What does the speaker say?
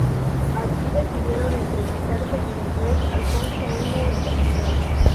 Allí decidieron entrevistarse con el rey Alfonso I de Portugal.